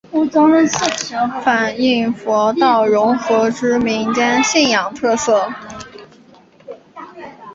反应佛道融合之民间信仰特色。